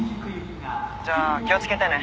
じゃあ気を付けてね。